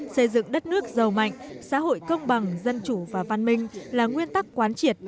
xây dựng đất nước giàu mạnh xã hội công bằng dân chủ và văn minh là nguyên tắc quán triệt